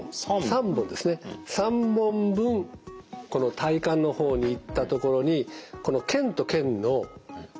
３本分体幹の方にいったところにこの腱と腱の間。